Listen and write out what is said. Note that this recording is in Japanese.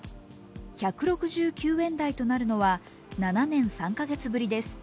１６９円台となるのは７年３カ月ぶりです。